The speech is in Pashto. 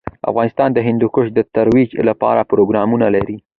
افغانستان د هندوکش د ترویج لپاره پروګرامونه لري.